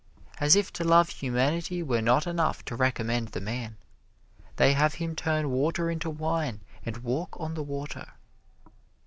As if to love humanity were not enough to recommend the man, they have him turn water into wine and walk on the water.